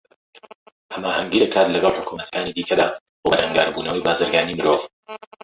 ھەماھەنگی دەکات لەگەڵ حوکمەتەکانی دیکەدا بۆ بەرەنگاربوونەوەی بازرگانیی مرۆڤ